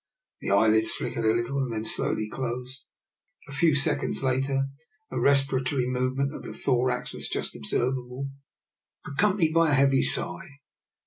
The eyelids flick ered a little, and then slowly closed; a few seconds later a respiratory movement of the thorax was just observable, accompanied by a heavy sigh.